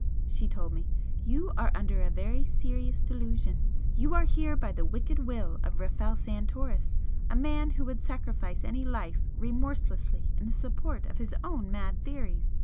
she told me "You are under a very serious delusion. You are here by the wicked will of Rafel Santoris a man who would sacrifice any life remorselessly in the support of his own mad theories!